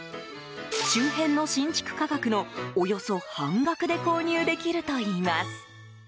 周辺の新築価格のおよそ半額で購入できるといいます。